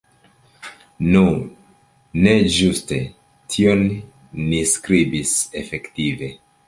Nu, ne ĝuste tion ni skribis efektive.